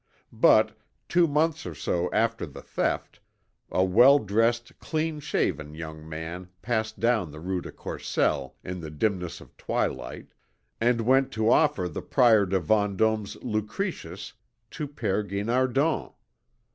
But, two months or so after the theft, a well dressed, clean shaven young man passed down the rue de Courcelles, in the dimness of twilight, and went to offer the Prior de Vendôme's Lucretius to Père Guinardon.